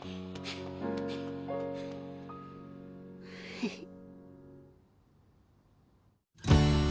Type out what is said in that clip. フフッ。